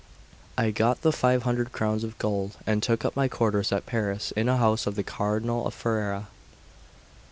I got the five hundred crowns of gold, and took up my quarters at Paris in a house of the Cardinal of Ferrera.